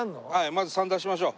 まず３出しましょう。